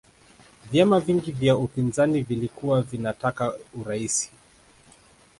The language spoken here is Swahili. vyama vingi vya upinzani vilikuwa vinataka uraisi